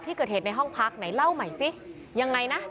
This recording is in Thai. เกิดเหตุในห้องพักไหนเล่าใหม่สิยังไงนะ